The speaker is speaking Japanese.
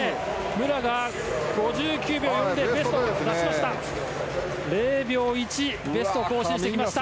武良が５９秒４０でベストで泳ぎました。